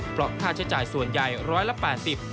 เพราะค่าใช้จ่ายส่วนใหญ่๑๘๐บาท